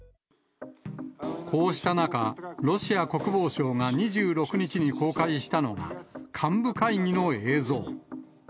こうした中、ロシア国防省が２６日に公開したのが、幹部会議の映像。